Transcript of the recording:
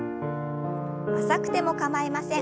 浅くても構いません。